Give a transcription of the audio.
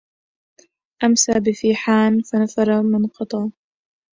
أمسى بفيحان فنفر من قطا